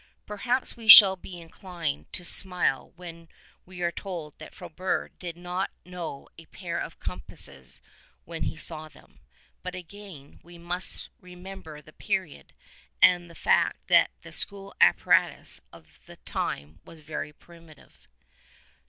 Perhaps we shall be inclined to smile when we are told that Frobert did not know a pair of compasses when he saw them; but again we must re member the period, and the fact that the school apparatus of that time was very primitive.